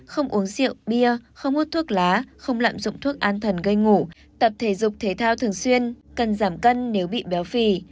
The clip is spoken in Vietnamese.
không uống rượu bia không hút thuốc lá không lạm dụng thuốc an thần gây ngủ tập thể dục thể thao thường xuyên cần giảm cân nếu bị béo phì